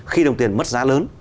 khi đồng tiền mất giá lớn